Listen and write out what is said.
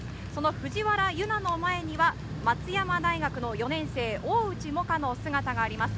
藤原の前には松山大の４年生・大内もかの姿があります。